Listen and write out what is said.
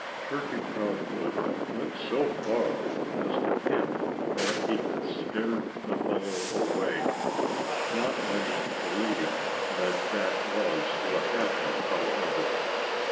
Turkey Proudfoot went so far as to hint that he had scared the fellow away. Not many believed that that was what happened, however.